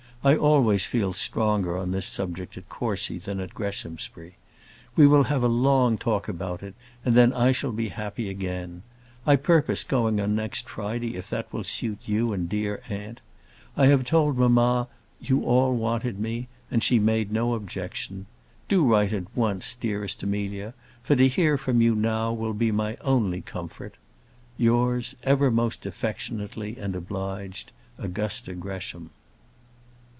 I always feel stronger on this subject at Courcy than at Greshamsbury. We will have a long talk about it, and then I shall be happy again. I purpose going on next Friday, if that will suit you and dear aunt. I have told mamma that you all wanted me, and she made no objection. Do write at once, dearest Amelia, for to hear from you now will be my only comfort. Yours, ever most affectionately and obliged, AUGUSTA GRESHAM.